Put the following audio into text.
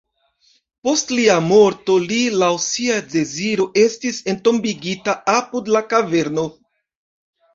Post lia morto li laŭ sia deziro estis entombigita apud la kaverno.